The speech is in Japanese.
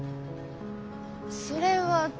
それは。